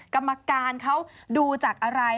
กรรมการเขาดูจากอะไร